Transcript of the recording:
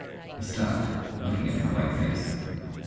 He stopped, looking at her white face.